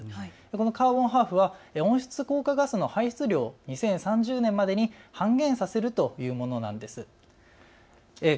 このカーボンハーフは温室効果ガスの排出量を２０３０年までに半減させるというものなんです。